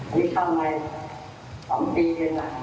มีช่องมาย๒ปีเท่าไรครับแต่อีกปีนั้นกว่า๖ปี